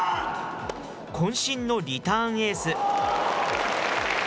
こん身のリターンエース。